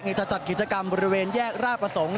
จะจัดกิจกรรมบริเวณแยกราชประสงค์